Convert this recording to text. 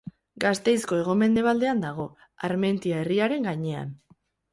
Gasteizko hego-mendebaldean dago, Armentia herriaren gainean.